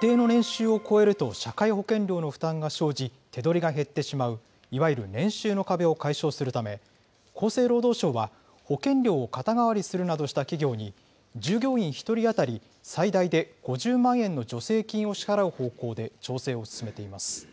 一定の年収を超えると、社会保険料の負担が生じ、手取りが減ってしまう、いわゆる年収の壁を解消するため、厚生労働省は、保険料を肩代わりするなどした企業に従業員１人当たり最大で５０万円の助成金を支払う方向で調整を進めています。